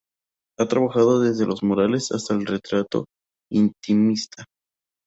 Ha trabajado desde los murales hasta el retrato intimista.